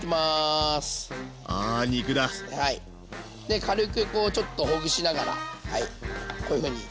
で軽くこうちょっとほぐしながらこういうふうに。